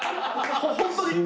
ホントに。